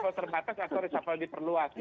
kalau terbatas atau reshuffle diperluas